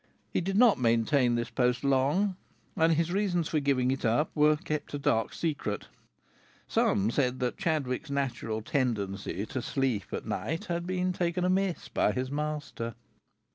He did not maintain this post long, and his reasons for giving it up were kept a dark secret. Some said that Chadwick's natural tendency to sleep at night had been taken amiss by his master.